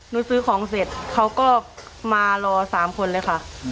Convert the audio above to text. ซื้อของเสร็จเขาก็มารอ๓คนเลยค่ะ